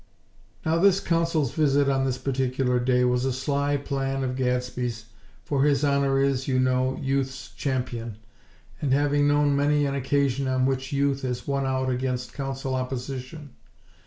Now this Council's visit on this particular day, was a sly plan of Gadsby's, for His Honor is, you know, Youth's Champion, and having known many an occasion on which Youth has won out against Council opposition.